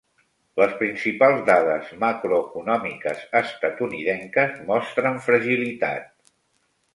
Les principals dades macroeconòmiques estatunidenques mostren fragilitat.